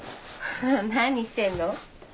何してんの？